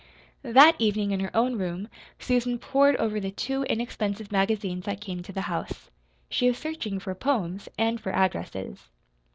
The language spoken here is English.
That evening, in her own room, Susan pored over the two inexpensive magazines that came to the house. She was searching for poems and for addresses.